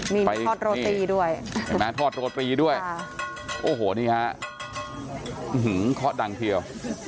มีทอดโรตีด้วยทอดโรตีด้วยโอ้โหนี่ค่ะข้อดังเที่ยว